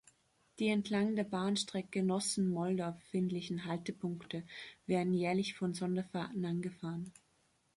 Die entlang der Bahnstrecke Nossen–Moldau befindlichen Haltepunkte werden jährlich von Sonderfahrten angefahren.